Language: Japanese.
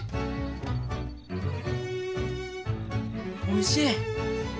おいしい。